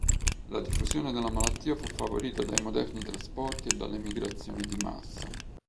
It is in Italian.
La diffusione della malattia fu favorita dai moderni trasporti e dalle migrazioni di massa.